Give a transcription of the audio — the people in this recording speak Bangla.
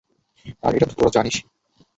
আর এটা তো তোরা জানিসই।